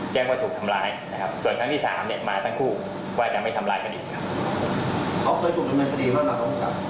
แจ้งว่าถูกทำร้ายนะครับส่วนทั้งที่๓เนี่ยมาตั้งคู่ว่าจะไม่ทำร้ายกันอีกครับ